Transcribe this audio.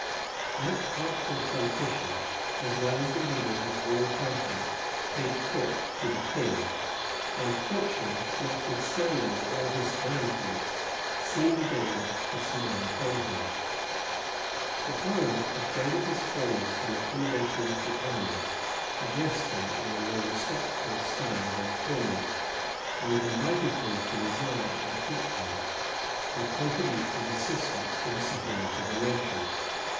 That artful politician, as well as the leaders of all parties, paid court to the king; and fortune, notwithstanding all his calamities, seemed again to smile upon him. The parliament, afraid of his forming some accommodation with the army, addressed him in a more respectful style than formerly; and invited him to reside at Richmond, and contribute his assistance to the settlement of the nation.